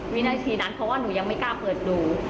วินาทีนั้นเพราะว่าหนูยังไม่กล้าเปิดดู